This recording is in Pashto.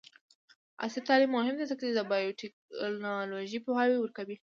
عصري تعلیم مهم دی ځکه چې د بایوټیکنالوژي پوهاوی ورکوي.